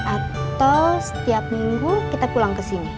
atau setiap minggu kita pulang kesini